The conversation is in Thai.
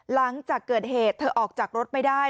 หลังจากเกิดเหตุเธอออกจากรถไม่ได้